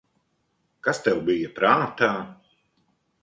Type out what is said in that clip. Kas tev bija prātā?